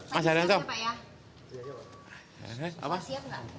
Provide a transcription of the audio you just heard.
masa ada nanti